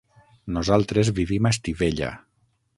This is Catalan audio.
Nosaltres vivim a Estivella.